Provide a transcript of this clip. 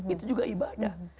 itu juga ibadah